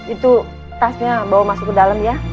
itu tasnya bawa masuk ke dalam ya